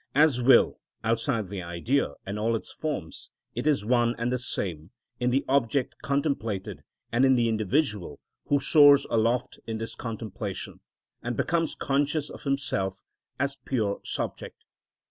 As will, outside the idea and all its forms, it is one and the same in the object contemplated and in the individual, who soars aloft in this contemplation, and becomes conscious of himself as pure subject.